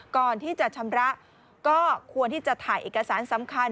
ก่อนที่จะชำระก็ควรที่จะถ่ายเอกสารสำคัญ